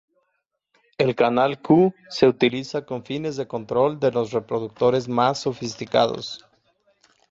El canal Q se utiliza con fines de control de los reproductores más sofisticados.